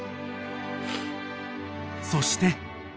［そして］